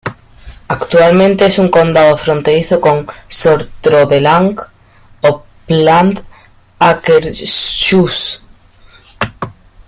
Actualmente es un condado fronterizo con Sør-Trøndelag, Oppland y Akershus.